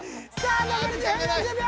残り２分４０秒。